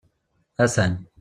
Atan.